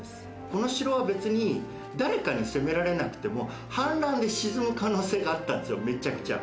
この城は、別に誰かに攻められなくても氾濫で沈む可能性があったんですよ、めちゃくちゃ。